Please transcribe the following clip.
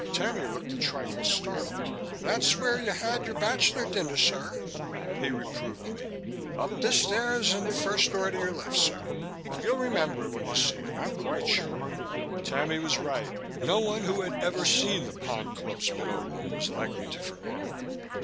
Tammy looked a trifle startled. "That's where you had your bachelor dinner, sir," he reproved me. "Up the stairs and first door to your left, sir. You'll remember it when you see it, I'm quite sure." Tammy was right. No one who had ever seen the Pond Club's Minnow Room was likely to forget it.